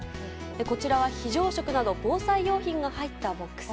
こちらは非常食など防災用品が入ったボックス。